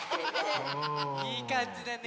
いいかんじだね。